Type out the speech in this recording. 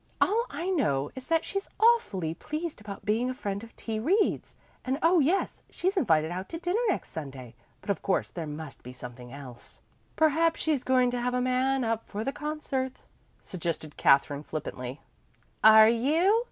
"All I know is that she's awfully pleased about being a friend of T. Reed's. And oh yes she's invited out to dinner next Sunday. But of course there must be something else." "Perhaps she's going to have a man up for the concert," suggested Katherine flippantly. "Are you?"